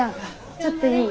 ちょっといい？